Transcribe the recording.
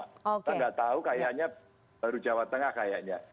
kita nggak tahu kayaknya baru jawa tengah kayaknya